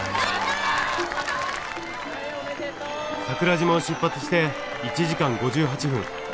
桜島を出発して１時間５８分。